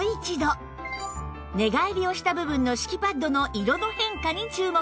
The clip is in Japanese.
寝返りをした部分の敷きパッドの色の変化に注目